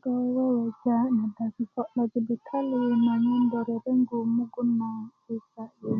do weweja meda kiko lo jibitali manyen rerengu mugun na sa'yu